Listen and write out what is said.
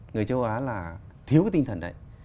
người châu á là thiếu cái tinh thần đấy